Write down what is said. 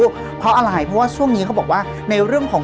เพราะอะไรเพราะว่าช่วงนี้เขาบอกว่าในเรื่องของ